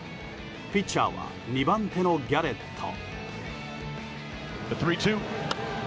ピッチャーは２番手のギャレット。